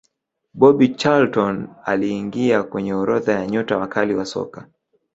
bobby charlton aliingia kwenye orodha ya nyota wakali wa soka